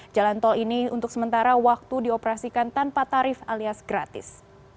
jalan tol ini untuk sementara waktu dioperasikan tanpa tarif alias gratis